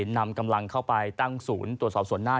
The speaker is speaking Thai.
นำกำลังเข้าไปตั้งศูนย์ตรวจสอบส่วนหน้า